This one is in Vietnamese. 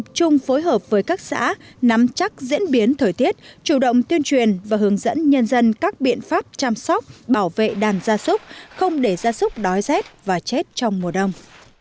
tập trung phối hợp với các xã nắm chắc diễn biến thời tiết chủ động tuyên truyền và hướng dẫn nhân dân các biện pháp chăm sóc bảo vệ đàn gia súc không để gia súc đói rét và chết trong mùa đông